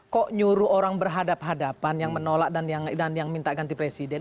kok nyuruh orang berhadapan hadapan yang menolak dan yang minta ganti presiden